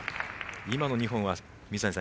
今の２本は水谷さん